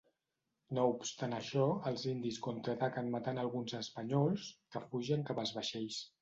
No obstant això, els indis contraataquen matant a alguns espanyols, que fugen cap als vaixells.